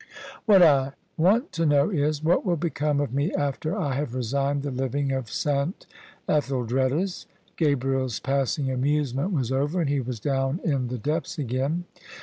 " What I want to know is, what will become of me after I have resigned the living of S. Etheldreda's ?" Gabriel's passing amusement was over, and he was down in the depths again.